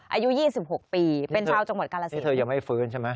อายุ๒๖ปีเป็นชาวจังหวัดกาลสินคือเธอยังไม่ฟื้นใช่ไหม